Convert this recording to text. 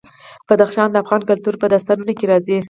بدخشان د افغان کلتور په داستانونو کې راځي.